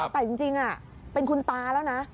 แต่จริงเป็นคุณตาแล้วนะ